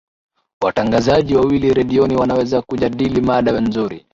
watangazaji wawili redioni wanaweza kujadili mada nzuri